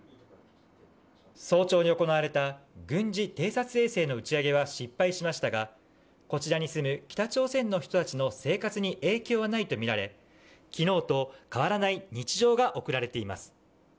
早朝に行われた軍事偵察衛星の打ち上げは失敗しましたがこちらに住む北朝鮮の人たちの生活に影響はないとみられ昨日と変わらない日常が送られています。